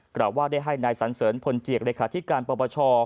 กล่าวว่าได้ให้นายสันเสริญพลเจียกเลขาธิการปปช